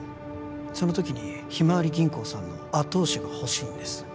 その時にひまわり銀行さんの後押しが欲しいんです